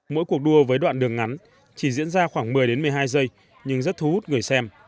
mỗi cuộc đua với đoạn đường ngắn chỉ diễn ra khoảng một mươi đến một mươi hai giây nhưng rất thu hút người xem